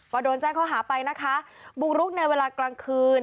ก็โดนแจ้งข้อหาไปนะคะบุกรุกในเวลากลางคืน